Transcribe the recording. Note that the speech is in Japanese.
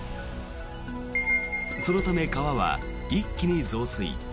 そのため川は一気に増水。